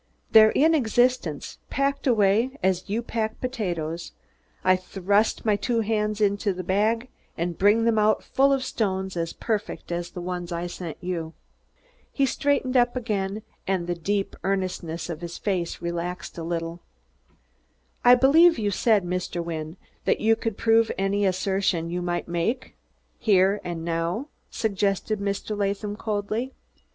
They're in existence, packed away as you pack potatoes I thrust my two hands into a bag and bring them out full of stones as perfect as the ones I sent you." He straightened up again and the deep earnestness of his face relaxed a little. "I believe you said, Mr. Wynne, that you could prove any assertion you might make, here and now?" suggested Mr. Latham coldly.